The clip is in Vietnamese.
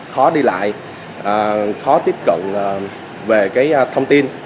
khó đi lại khó tiếp cận về cái thông tin